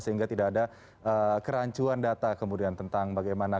sehingga tidak ada kerancuan data kemudian tentang bagaimana